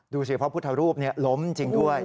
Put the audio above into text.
พระพุทธรูปล้มจริงด้วย